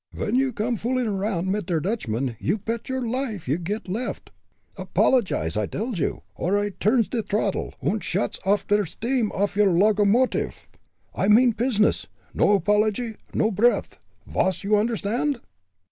"Ven you come foolin' around mit der Dutchman you pet your life you get left. Apologize, I dells you, or I turns de throttle, und shuts der sdeam off your logermotiff. I mean pizness no 'pology, no breathe. Vas you understand?"